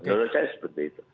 menurut saya seperti itu